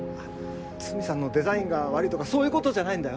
筒見さんのデザインが悪いとかそういうことじゃないんだよ。